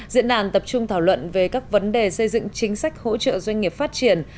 diễn đàn tập trung thảo luận về các vấn đề xây dựng chính sách hỗ trợ doanh nghiệp phát triển